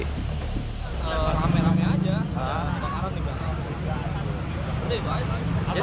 tidak ada kebakaran di belakang